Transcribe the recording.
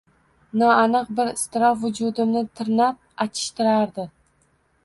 Noaniq bir iztirob vujudimni tirnab achishtirardi